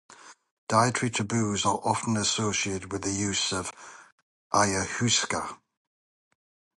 Dietary taboos are often associated with the use of ayahuasca.